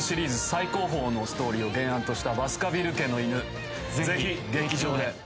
最高峰のストーリーを原案とした『バスカヴィル家の犬』ぜひ劇場で。